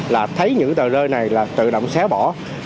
là thấy những tờ rơi này là tự động xóa bỏ